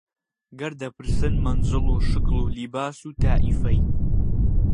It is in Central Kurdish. گەر دەپرسن مەنزڵ و شکڵ و لیباس و تائیفەی